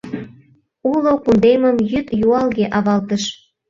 Уло кундемым йӱд юалге авалтыш.